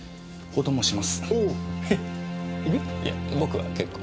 いや僕は結構。